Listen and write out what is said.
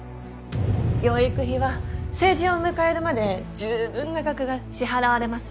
養育費は成人を迎えるまでじゅうぶんな額が支払われます。